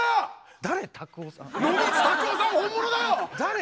誰？